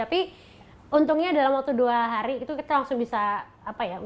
tapi untungnya dalam waktu dua hari itu kita langsung bisa apa ya